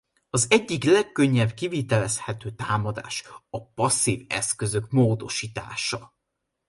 Az egyik legkönnyebb kivitelezhető támadás a passzív eszközök módosítása.